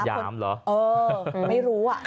ยามเหรอไม่รู้อ่ะ